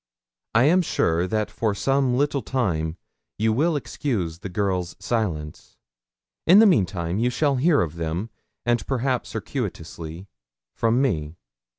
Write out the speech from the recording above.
I am sure that for some little time you will excuse the girl's silence; in the meantime you shall hear of them, and perhaps circuitously, from me.